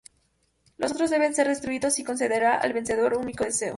Los otros deben ser destruidos, y concederá al vencedor un único deseo.